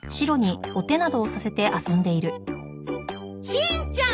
しんちゃん！